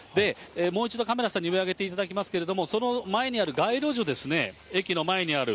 もう一度カメラさんに上、上げていただきますけれども、その前にある街路樹ですね、駅の前にある。